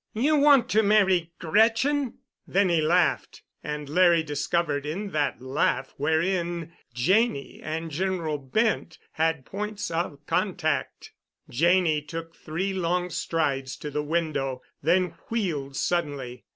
"You want to marry Gretchen?" Then he laughed—and Larry discovered in that laugh wherein Janney and General Bent had points of contact. Janney took three long strides to the window, then wheeled suddenly.